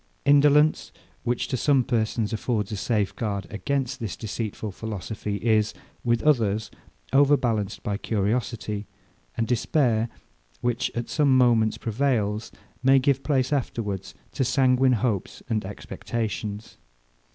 Indolence, which, to some persons, affords a safeguard against this deceitful philosophy, is, with others, overbalanced by curiosity; and despair, which, at some moments, prevails, may give place afterwards to sanguine hopes and expectations.